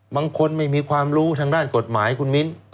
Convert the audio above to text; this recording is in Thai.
บางคนไม่มีความรู้ทางด้านกฎหมายคุณมิ้น